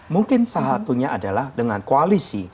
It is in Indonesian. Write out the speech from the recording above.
mungkin salah satunya adalah dengan koalisi